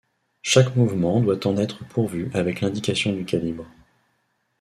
Chaque mouvement doit en être pourvu avec l'indication du calibre.